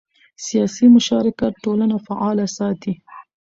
سیاسي مشارکت ټولنه فعاله ساتي